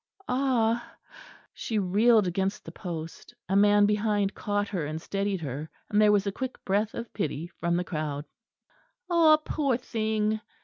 "Ah!" She reeled against the post; a man behind caught her and steadied her; and there was a quick breath of pity from the crowd. "Ah, poor thing!"